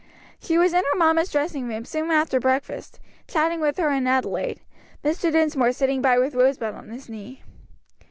She was in her mamma's dressing room soon after breakfast, chatting with her and Adelaide, Mr. Dinsmore sitting by with Rosebud on his knee.